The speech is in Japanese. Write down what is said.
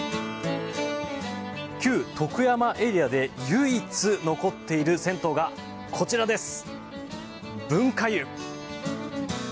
旧徳山エリアで唯一残っている銭湯がこちらです。